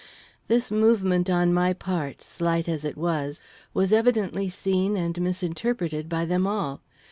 This movement on my part, slight as it was, was evidently seen and misinterpreted by them all.